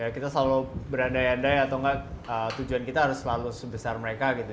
kita selalu berandai andai atau enggak tujuan kita harus selalu sebesar mereka gitu